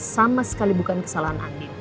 sama sekali bukan kesalahan angin